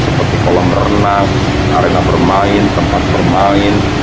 seperti kolam renang arena bermain tempat bermain